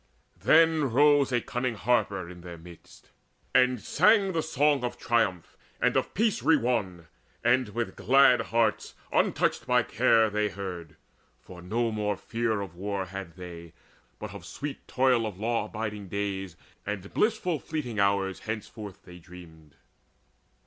Then rose a cunning harper in their midst. And sang the song of triumph and of peace Re won, and with glad hearts untouched by care They heard; for no more fear of war had they, But of sweet toil of law abiding days And blissful, fleeting hours henceforth they dreamed.